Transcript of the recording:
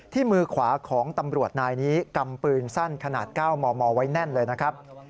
มือขวาของตำรวจนายนี้กำปืนสั้นขนาด๙มมไว้แน่นเลยนะครับ